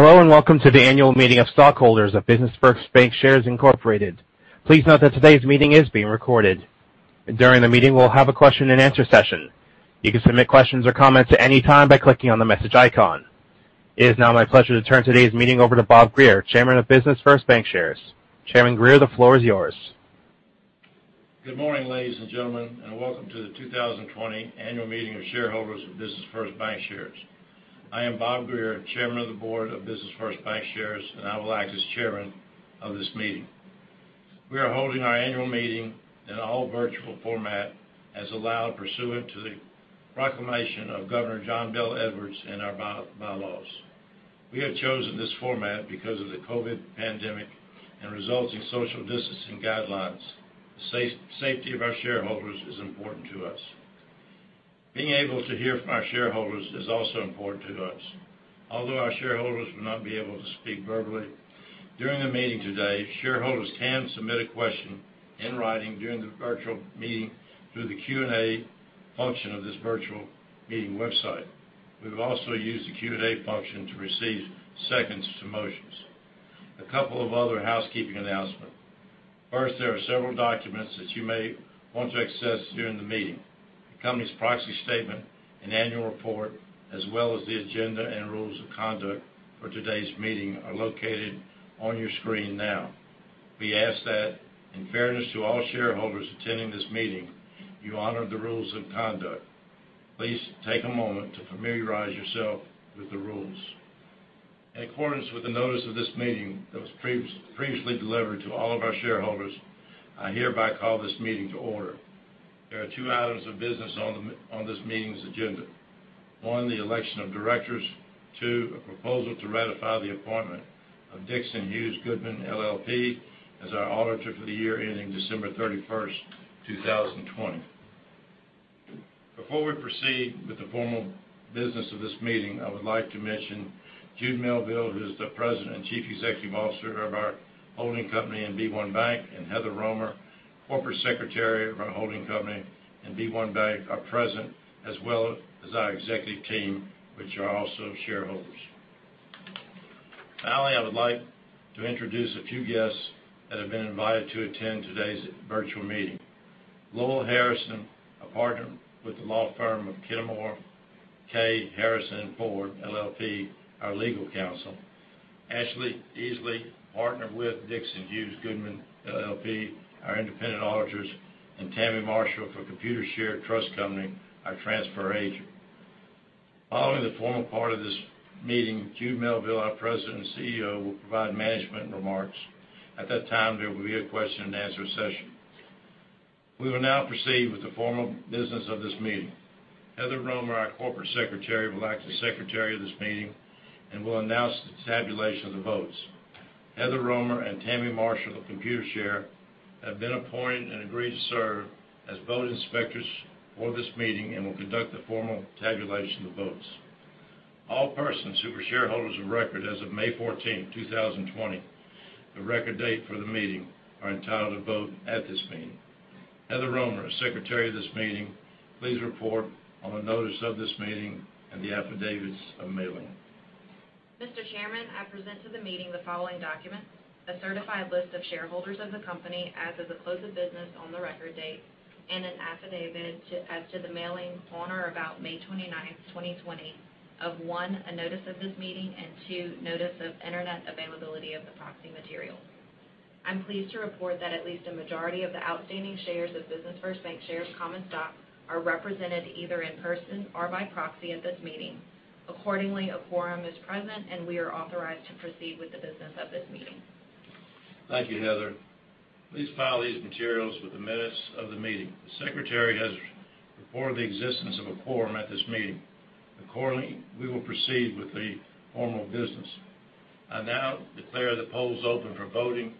Hello, welcome to the annual meeting of stockholders of Business First Bancshares, Incorporated. Please note that today's meeting is being recorded. During the meeting, we'll have a question and answer session. You can submit questions or comments at any time by clicking on the message icon. It is now my pleasure to turn today's meeting over to Bob Greer, Chairman of Business First Bancshares. Chairman Greer, the floor is yours. Good morning, ladies and gentlemen, welcome to the 2020 annual meeting of shareholders of Business First Bancshares. I am Bob Greer, Chairman of the Board of Business First Bancshares, and I will act as chairman of this meeting. We are holding our annual meeting in all virtual format as allowed pursuant to the proclamation of Governor John Bel Edwards and our bylaws. We have chosen this format because of the COVID pandemic and resulting social distancing guidelines. The safety of our shareholders is important to us. Being able to hear from our shareholders is also important to us. Although our shareholders will not be able to speak verbally during the meeting today, shareholders can submit a question in writing during the virtual meeting through the Q&A function of this virtual meeting website. We've also used the Q&A function to receive seconds to motions. A couple of other housekeeping announcements. First, there are several documents that you may want to access during the meeting. The company's proxy statement and annual report, as well as the agenda and rules of conduct for today's meeting, are located on your screen now. We ask that, in fairness to all shareholders attending this meeting, you honor the rules of conduct. Please take a moment to familiarize yourself with the rules. In accordance with the notice of this meeting that was previously delivered to all of our shareholders, I hereby call this meeting to order. There are two items of business on this meeting's agenda. One, the election of directors. Two, a proposal to ratify the appointment of Dixon Hughes Goodman LLP as our auditor for the year ending December 31st, 2020. Before we proceed with the formal business of this meeting, I would like to mention Jude Melville, who is the President and Chief Executive Officer of our holding company and b1BANK, and Heather Roemer, Corporate Secretary of our holding company and b1BANK, are present, as well as our executive team, which are also shareholders. Finally, I would like to introduce a few guests that have been invited to attend today's virtual meeting. Lowell Harrison, a partner with the law firm of Fenimore, Kay, Harrison & Ford, LLP, our legal counsel, Ashley Ensley, partner with Dixon Hughes Goodman LLP, our independent auditors, and Tammie Marshall for Computershare Trust Company, our transfer agent. Following the formal part of this meeting, Jude Melville, our President and CEO, will provide management remarks. At that time, there will be a question and answer session. We will now proceed with the formal business of this meeting. Heather Roemer, our Corporate Secretary, will act as Secretary of this meeting and will announce the tabulation of the votes. Heather Roemer and Tammie Marshall of Computershare have been appointed and agreed to serve as vote inspectors for this meeting and will conduct the formal tabulation of the votes. All persons who were shareholders of record as of May 14th, 2020, the record date for the meeting, are entitled to vote at this meeting. Heather Roemer, Secretary of this meeting, please report on the notice of this meeting and the affidavits of mailing. Mr. Chairman, I present to the meeting the following documents: a certified list of shareholders of the company as of the close of business on the record date, and an affidavit as to the mailing on or about May 29th, 2020 of, one, a notice of this meeting, and two, notice of internet availability of the proxy material. I'm pleased to report that at least a majority of the outstanding shares of Business First Bancshares common stock are represented either in person or by proxy at this meeting. Accordingly, a quorum is present, and we are authorized to proceed with the business of this meeting. Thank you, Heather. Please file these materials with the minutes of the meeting. The Secretary has reported the existence of a quorum at this meeting. Accordingly, we will proceed with the order of business. I now declare the polls open for voting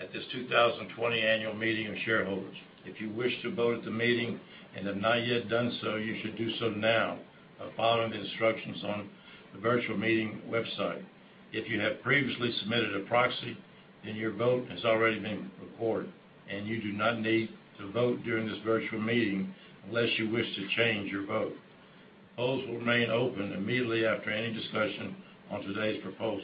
at this 2020 annual meeting of shareholders. If you wish to vote at the meeting and have not yet done so, you should do so now by following the instructions on the virtual meeting website. If you have previously submitted a proxy, then your vote has already been recorded, and you do not need to vote during this virtual meeting unless you wish to change your vote. Polls will remain open immediately after any discussion on today's proposals.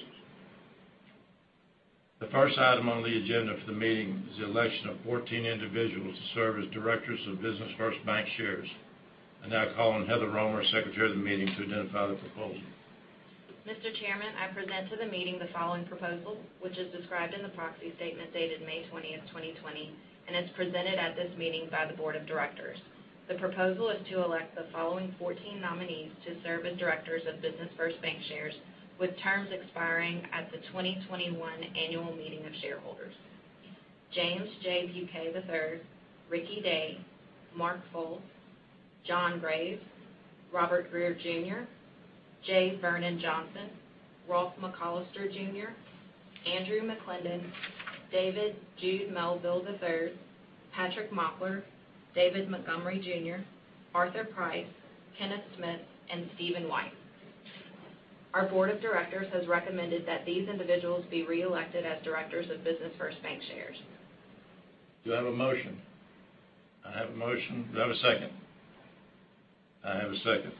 The first item on the agenda for the meeting is the election of 14 individuals to serve as directors of Business First Bancshares. I now call on Heather Roemer, Secretary of the meeting, to identify the proposal. Mr. Chairman, I present to the meeting the following proposal, which is described in the proxy statement dated May 20th, 2020, and is presented at this meeting by the Board of Directors. The proposal is to elect the following 14 nominees to serve as directors of Business First Bancshares, with terms expiring at the 2021 annual meeting of shareholders. James J. Buquet III, Ricky Day, Mark Folse, John Graves, Robert Greer Jr., J. Vernon Johnson, Rolfe McCollister Jr., Andrew McLindon, David Jude Melville III, Patrick Mockler, David Montgomery Jr., Arthur Price, Kenneth Smith, and Steven White. Our Board of Directors has recommended that these individuals be reelected as directors of Business First Bancshares. Do I have a motion? I have a motion. Do I have a second? I have a second.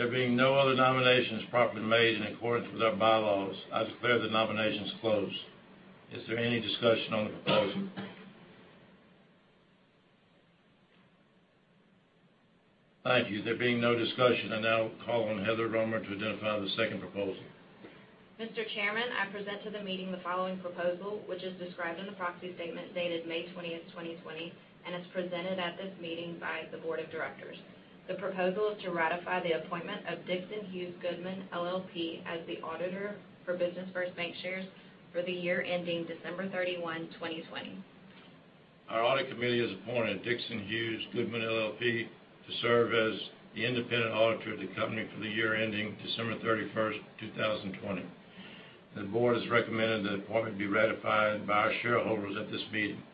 There being no other nominations properly made in accordance with our bylaws, I declare the nominations closed. Is there any discussion on the proposal? Thank you. There being no discussion, I now call on Heather Roemer to identify the second proposal. Mr. Chairman, I present to the meeting the following proposal, which is described in the proxy statement dated May 20th, 2020, and as presented at this meeting by the board of directors. The proposal is to ratify the appointment of Dixon Hughes Goodman LLP as the auditor for Business First Bancshares for the year ending December 31, 2020. Our audit committee has appointed Dixon Hughes Goodman LLP to serve as the independent auditor of the company for the year ending December 31st, 2020. The board has recommended the appointment be ratified by our shareholders at this meeting.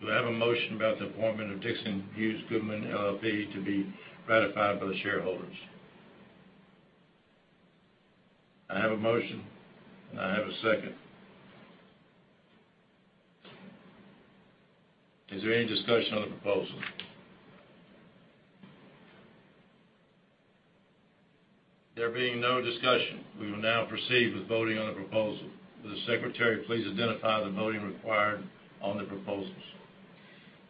Do I have a motion about the appointment of Dixon Hughes Goodman LLP to be ratified by the shareholders? I have a motion, and I have a second. Is there any discussion on the proposal? There being no discussion, we will now proceed with voting on the proposal. Will the secretary please identify the voting required on the proposals?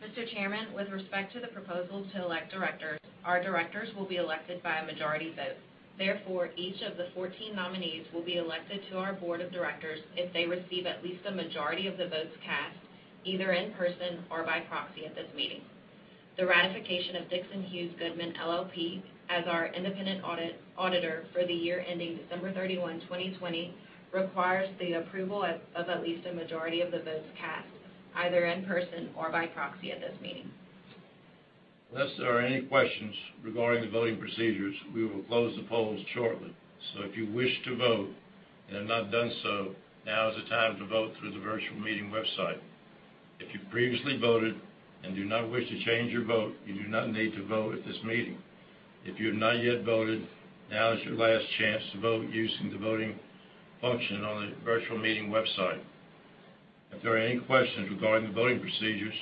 Mr. Chairman, with respect to the proposal to elect directors, our directors will be elected by a majority vote. Therefore, each of the 14 nominees will be elected to our board of directors if they receive at least a majority of the votes cast, either in person or by proxy at this meeting. The ratification of Dixon Hughes Goodman LLP as our independent auditor for the year ending December 31, 2020, requires the approval of at least a majority of the votes cast, either in person or by proxy at this meeting. Unless there are any questions regarding the voting procedures, we will close the polls shortly. If you wish to vote and have not done so, now is the time to vote through the virtual meeting website. If you previously voted and do not wish to change your vote, you do not need to vote at this meeting. If you have not yet voted, now is your last chance to vote using the voting function on the virtual meeting website. If there are any questions regarding the voting procedures,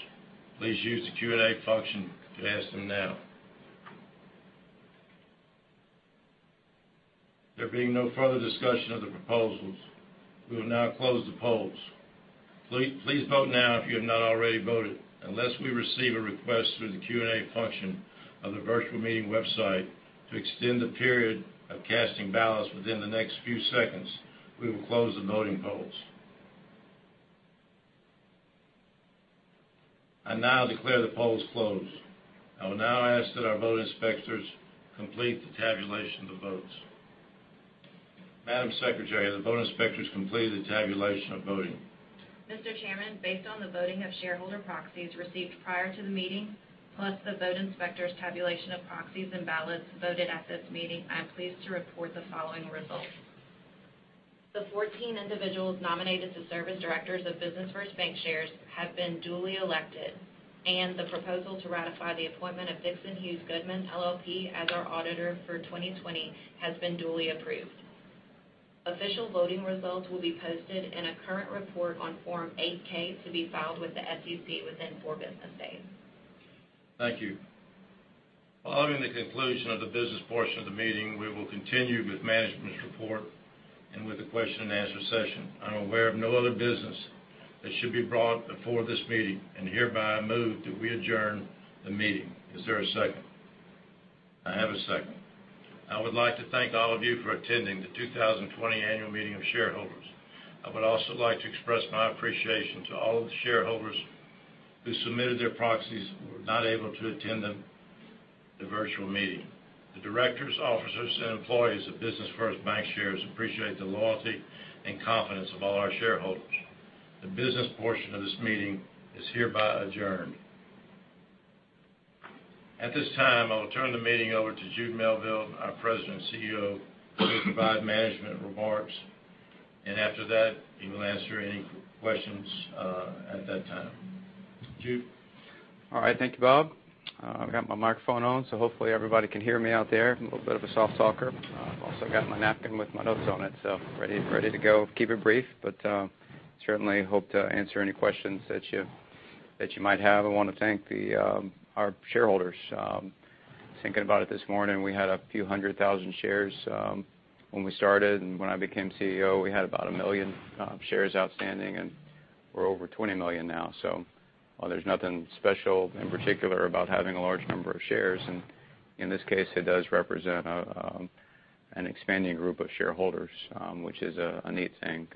please use the Q&A function to ask them now. There being no further discussion of the proposals, we will now close the polls. Please vote now if you have not already voted. Unless we receive a request through the Q&A function of the virtual meeting website to extend the period of casting ballots within the next few seconds, we will close the voting polls. I now declare the polls closed. I will now ask that our vote inspectors complete the tabulation of the votes. Madam Secretary, have the vote inspectors completed the tabulation of voting? Mr. Chairman, based on the voting of shareholder proxies received prior to the meeting, plus the vote inspectors' tabulation of proxies and ballots voted at this meeting, I am pleased to report the following results. The 14 individuals nominated to serve as directors of Business First Bancshares have been duly elected. The proposal to ratify the appointment of Dixon Hughes Goodman LLP as our auditor for 2020 has been duly approved. Official voting results will be posted in a current report on Form 8-K to be filed with the SEC within four business days. Thank you. Following the conclusion of the business portion of the meeting, we will continue with management's report and with the question and answer session. I'm aware of no other business that should be brought before this meeting, and hereby move that we adjourn the meeting. Is there a second? I have a second. I would like to thank all of you for attending the 2020 annual meeting of shareholders. I would also like to express my appreciation to all of the shareholders who submitted their proxies and were not able to attend the virtual meeting. The directors, officers, and employees of Business First Bancshares appreciate the loyalty and confidence of all our shareholders. The business portion of this meeting is hereby adjourned. At this time, I will turn the meeting over to Jude Melville, our President and CEO, who will provide management remarks. After that, he will answer any questions, at that time. Jude? All right. Thank you, Bob. I've got my microphone on, so hopefully everybody can hear me out there. I'm a little bit of a soft talker. I've also got my napkin with my notes on it, so ready to go. Keep it brief, but certainly hope to answer any questions that you might have. I want to thank our shareholders. Thinking about it this morning, we had a few hundred thousand shares, when we started. When I became CEO, we had about 1 million shares outstanding, and we're over 20 million now. While there's nothing special in particular about having a large number of shares, and in this case it does represent an expanding group of shareholders, which is a neat thing.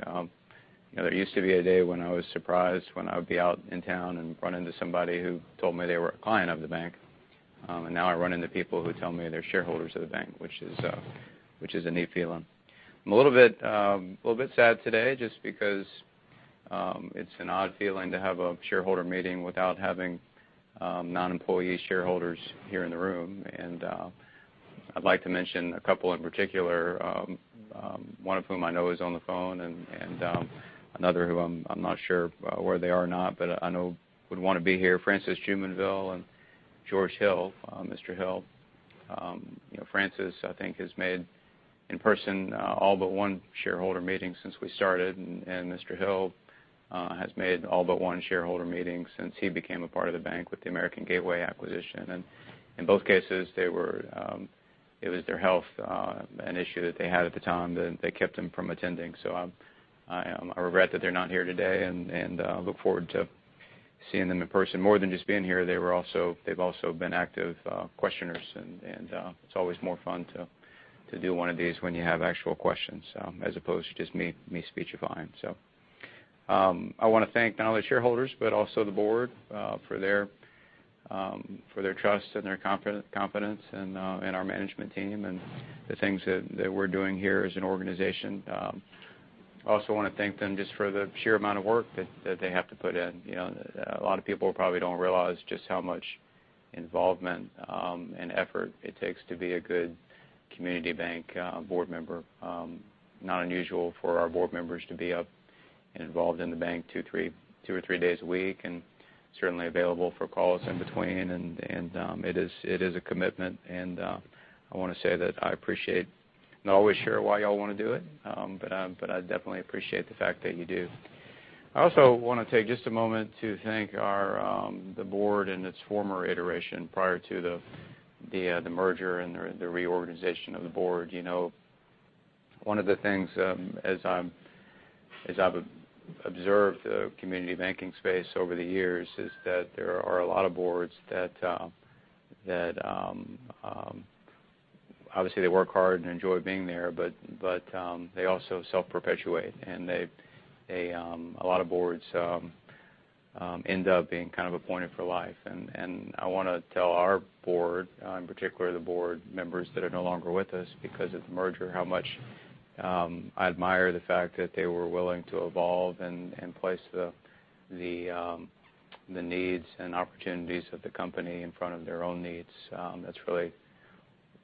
There used to be a day when I was surprised when I would be out in town and run into somebody who told me they were a client of the bank. Now I run into people who tell me they're shareholders of the bank, which is a neat feeling. I'm a little bit sad today just because it's an odd feeling to have a shareholder meeting without having non-employee shareholders here in the room. I'd like to mention a couple in particular, one of whom I know is on the phone and another who I'm not sure where they are or not, but I know would want to be here, Francis Jumonville and George Hill or Mr. Hill. Francis, I think, has made in person all but one shareholder meeting since we started, and Mr. Hill has made all but one shareholder meeting since he became a part of the bank with the American Gateway acquisition. In both cases, it was their health, an issue that they had at the time that kept them from attending. I regret that they're not here today and look forward to seeing them in person. More than just being here, they've also been active questioners, and it's always more fun to do one of these when you have actual questions as opposed to just me speechifying. I want to thank not only shareholders but also the board for their trust and their confidence in our management team and the things that we're doing here as an organization. I also want to thank them just for the sheer amount of work that they have to put in. A lot of people probably don't realize just how much involvement and effort it takes to be a good community bank board member. Not unusual for our board members to be up and involved in the bank two or three days a week, and certainly available for calls in between. It is a commitment, and I want to say that I appreciate. Not always sure why you all want to do it, but I definitely appreciate the fact that you do. I also want to take just a moment to thank the board in its former iteration, prior to the merger and the reorganization of the board. One of the things as I've observed the community banking space over the years is that there are a lot of boards that obviously they work hard and enjoy being there, they also self-perpetuate. A lot of boards end up being kind of appointed for life. I want to tell our board, in particular the board members that are no longer with us because of the merger, how much I admire the fact that they were willing to evolve and place the needs and opportunities of the company in front of their own needs. That's really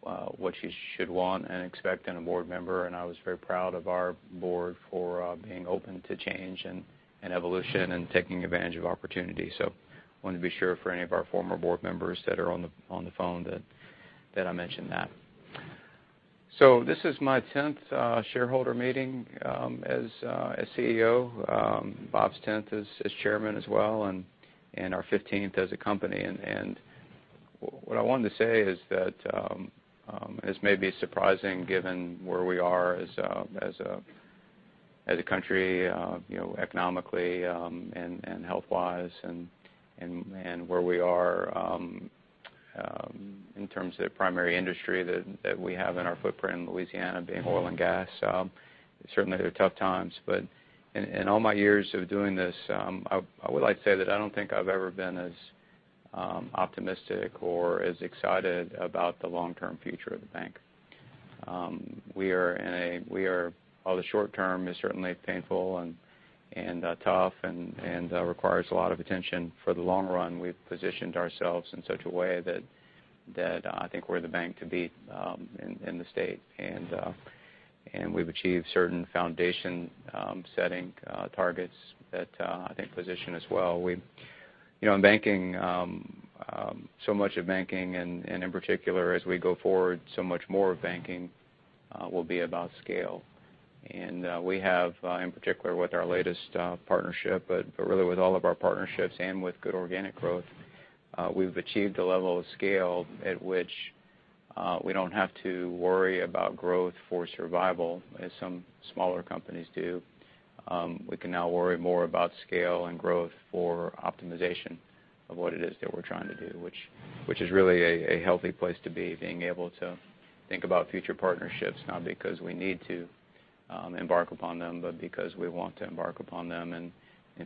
what you should want and expect in a board member, and I was very proud of our board for being open to change and evolution and taking advantage of opportunities. I wanted to be sure for any of our former board members that are on the phone that I mention that. This is my 10th shareholder meeting as CEO, Bob's 10th as Chairman as well, and our 15th as a company. What I wanted to say is that this may be surprising given where we are as a country economically and health-wise and where we are in terms of the primary industry that we have in our footprint in Louisiana being oil and gas. Certainly, they're tough times. In all my years of doing this, I would like to say that I don't think I've ever been as optimistic or as excited about the long-term future of the bank. While the short term is certainly painful and tough and requires a lot of attention, for the long run, we've positioned ourselves in such a way that I think we're the bank to beat in the state. We've achieved certain foundation setting targets that I think position us well. In banking, so much of banking and in particular, as we go forward, so much more of banking will be about scale. We have, in particular with our latest partnership, but really with all of our partnerships and with good organic growth, we've achieved a level of scale at which we don't have to worry about growth for survival as some smaller companies do. We can now worry more about scale and growth for optimization of what it is that we're trying to do, which is really a healthy place to be, being able to think about future partnerships, not because we need to embark upon them, but because we want to embark upon them and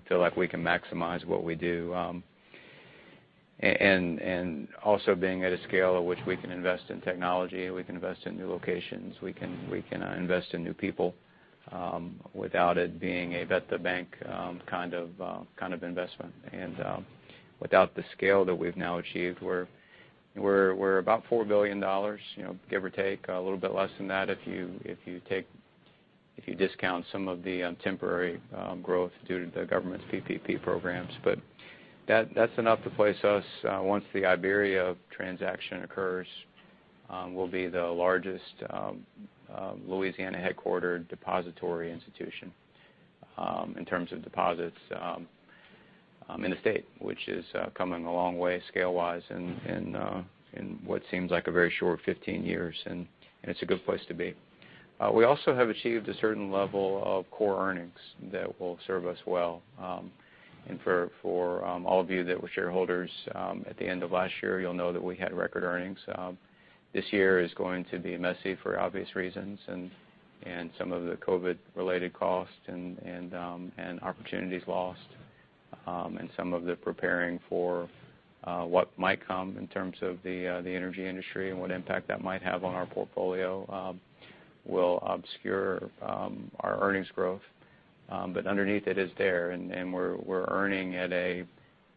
feel like we can maximize what we do. Also being at a scale at which we can invest in technology, we can invest in new locations, we can invest in new people without it being a bet-the-bank kind of investment. Without the scale that we've now achieved, we're about $4 billion, give or take, a little bit less than that if you discount some of the temporary growth due to the government's PPP programs. That's enough to place us, once the Iberia transaction occurs, we'll be the largest Louisiana headquartered depository institution in terms of deposits in the state, which is coming a long way scale-wise in what seems like a very short 15 years. It's a good place to be. We also have achieved a certain level of core earnings that will serve us well. For all of you that were shareholders at the end of last year, you'll know that we had record earnings. This year is going to be messy for obvious reasons, some of the COVID-related costs and opportunities lost, and some of the preparing for what might come in terms of the energy industry and what impact that might have on our portfolio will obscure our earnings growth. Underneath it is there, and we're earning at a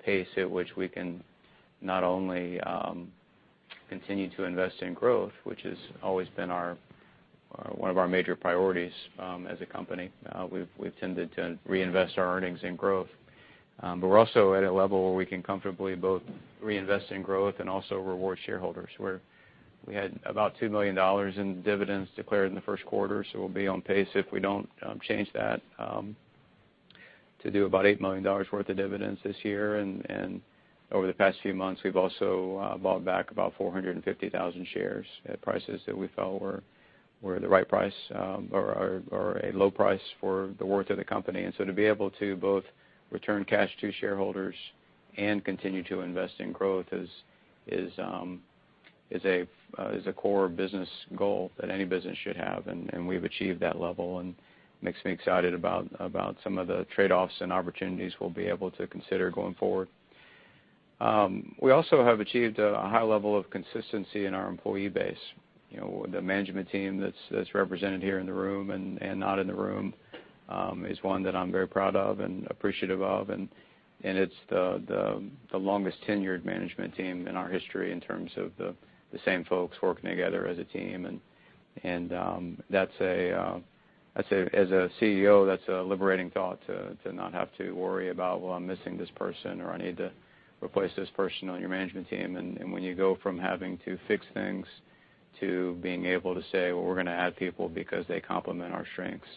pace at which we can not only continue to invest in growth, which has always been one of our major priorities, as a company. We've tended to reinvest our earnings in growth. We're also at a level where we can comfortably both reinvest in growth and also reward shareholders, where we had about $2 million in dividends declared in the first quarter. We'll be on pace if we don't change that, to do about $8 million worth of dividends this year. Over the past few months, we've also bought back about 450,000 shares at prices that we felt were the right price or a low price for the worth of the company. To be able to both return cash to shareholders and continue to invest in growth is a core business goal that any business should have. We've achieved that level and makes me excited about some of the trade-offs and opportunities we'll be able to consider going forward. We also have achieved a high level of consistency in our employee base. The management team that's represented here in the room and not in the room, is one that I'm very proud of and appreciative of. It's the longest-tenured management team in our history in terms of the same folks working together as a team. As a CEO, that's a liberating thought to not have to worry about, well, I'm missing this person, or I need to replace this person on your management team. When you go from having to fix things to being able to say, "Well, we're going to add people because they complement our strengths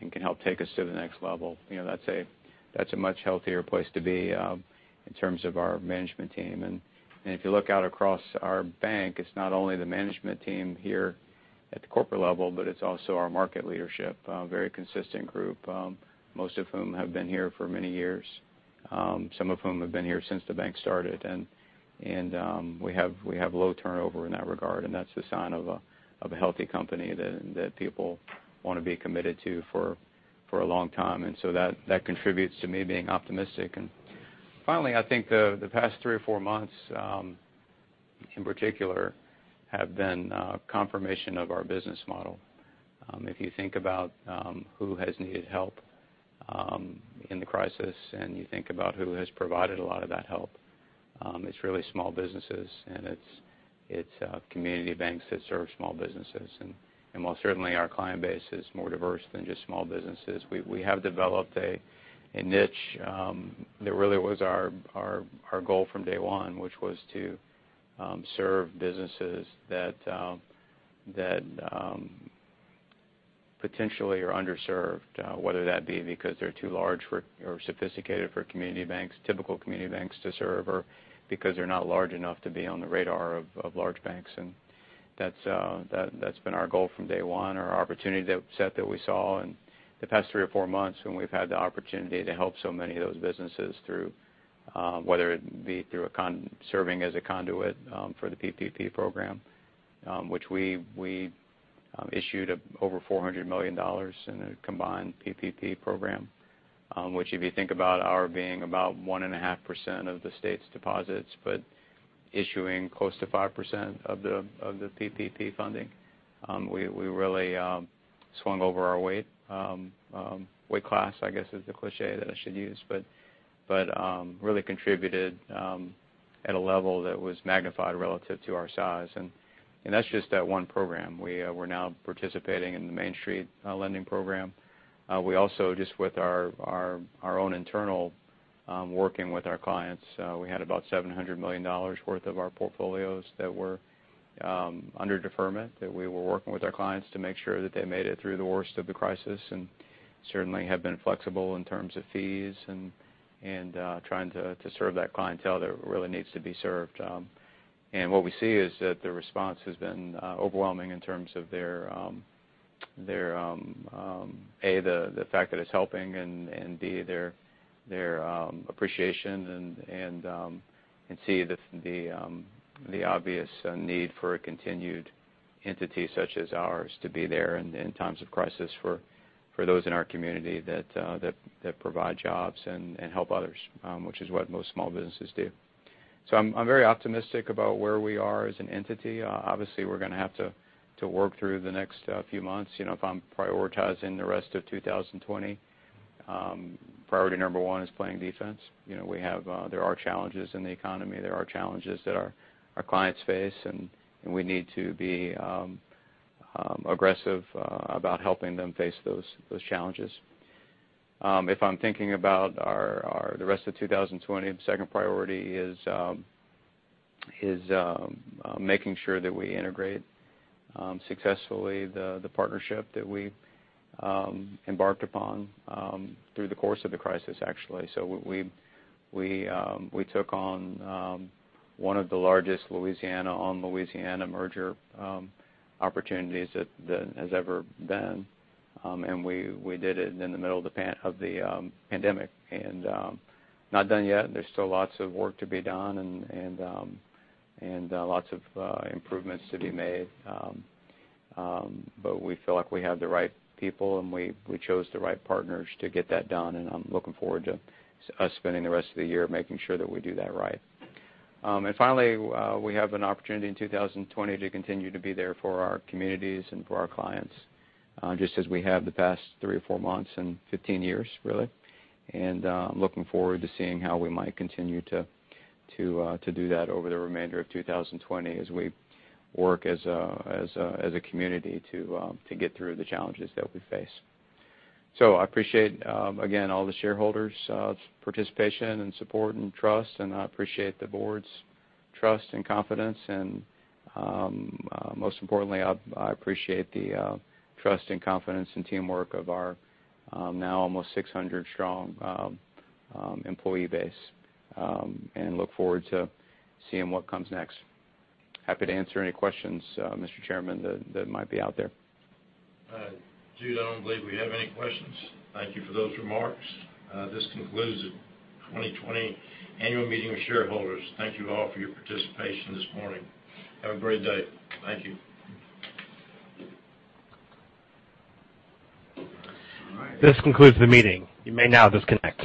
and can help take us to the next level." That's a much healthier place to be in terms of our management team. If you look out across our bank, it's not only the management team here at the corporate level, but it's also our market leadership. A very consistent group, most of whom have been here for many years, some of whom have been here since the bank started. We have low turnover in that regard, and that's the sign of a healthy company that people want to be committed to for a long time. That contributes to me being optimistic. Finally, I think the past three or four months, in particular, have been a confirmation of our business model. If you think about who has needed help in the crisis, and you think about who has provided a lot of that help, it's really small businesses, and it's community banks that serve small businesses. While certainly our client base is more diverse than just small businesses, we have developed a niche, that really was our goal from day one, which was to serve businesses that potentially are underserved, whether that be because they're too large or sophisticated for community banks, typical community banks to serve, or because they're not large enough to be on the radar of large banks. That's been our goal from day one or our opportunity set that we saw in the past three or four months, when we've had the opportunity to help so many of those businesses through, whether it be through serving as a conduit for the PPP Program, which we issued over $400 million in a combined PPP Program. If you think about our being about 1.5% of the state's deposits, but issuing close to 5% of the PPP funding. We really swung over our weight class, I guess, is the cliché that I should use. Really contributed at a level that was magnified relative to our size. That's just that one program. We're now participating in the Main Street Lending Program. We also just with our own internal, working with our clients, we had about $700 million worth of our portfolios that were under deferment that we were working with our clients to make sure that they made it through the worst of the crisis and certainly have been flexible in terms of fees and trying to serve that clientele that really needs to be served. What we see is that the response has been overwhelming in terms of their, A, the fact that it's helping, and B, their appreciation, and C, the obvious need for a continued entity such as ours to be there in times of crisis for those in our community that provide jobs and help others, which is what most small businesses do. I'm very optimistic about where we are as an entity. Obviously, we're going to have to work through the next few months. If I'm prioritizing the rest of 2020, priority number one is playing defense. There are challenges in the economy. There are challenges that our clients face, and we need to be aggressive about helping them face those challenges. If I'm thinking about the rest of 2020, the second priority is making sure that we integrate successfully the partnership that we embarked upon through the course of the crisis, actually. We took on one of the largest Louisiana on Louisiana merger opportunities that has ever been. We did it in the middle of the pandemic. Not done yet. There's still lots of work to be done and lots of improvements to be made. We feel like we have the right people, and we chose the right partners to get that done, and I'm looking forward to us spending the rest of the year making sure that we do that right. Finally, we have an opportunity in 2020 to continue to be there for our communities and for our clients, just as we have the past three or four months and 15 years, really. I'm looking forward to seeing how we might continue to do that over the remainder of 2020 as we work as a community to get through the challenges that we face. I appreciate, again, all the shareholders' participation and support and trust, and I appreciate the board's trust and confidence. Most importantly, I appreciate the trust and confidence and teamwork of our now almost 600-strong employee base, and look forward to seeing what comes next. Happy to answer any questions, Mr. Chairman, that might be out there. Jude, I don't believe we have any questions. Thank you for those remarks. This concludes the 2020 annual meeting of shareholders. Thank you all for your participation this morning. Have a great day. Thank you. This concludes the meeting. You may now disconnect.